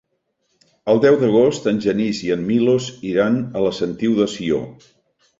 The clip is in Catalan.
El deu d'agost en Genís i en Milos iran a la Sentiu de Sió.